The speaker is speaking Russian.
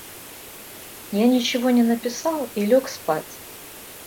Я ничего не написал и лег спать.